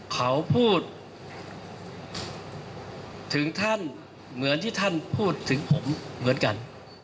เขาพูดถึงท่านเหมือนที่ท่านพูดถึงผมเหมือนกัน